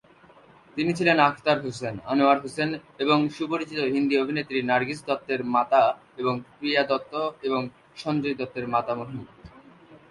তিনি ছিলেন আখতার হুসেন, আনোয়ার হুসেন এবং সুপরিচিত হিন্দি অভিনেত্রী নার্গিস দত্তের মাতা এবং প্রিয়া দত্ত এবং সঞ্জয় দত্তের মাতামহী।